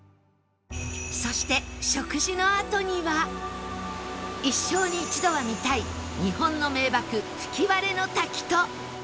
そして一生に一度は見たい！日本の名瀑吹割の滝と